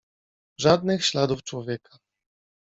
"Żadnych śladów człowieka."